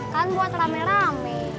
kan buat rame rame